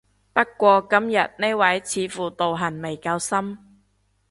不過今日呢位似乎道行未夠深